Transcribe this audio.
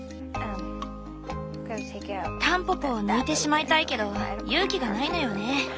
タンポポを抜いてしまいたいけど勇気がないのよね。